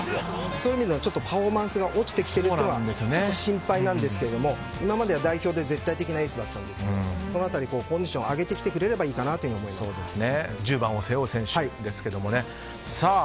そういう意味でパフォーマンスが落ちてきているのは心配なんですが今までは代表で絶対的なエースだったんですがその辺りコンディションを１０番を背負う選手です。